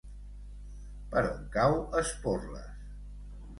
Per on cau Esporles?